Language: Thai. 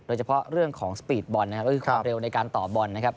โดยเฉพาะเรื่องของสปีดบอลนะครับก็คือความเร็วในการต่อบอลนะครับ